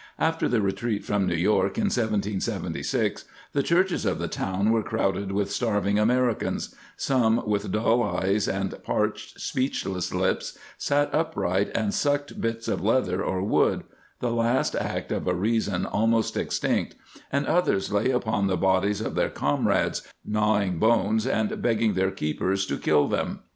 After the retreat from New York in 1776 the churches of the town were crowded with starv ing Americans ; some with dull eyes and parched, speechless lips sat upright and sucked bits of leather or wood — the last act of a reason almost extinct, and others lay upon the bodies of their comrades, gnawing bones and begging their keepers to kill them."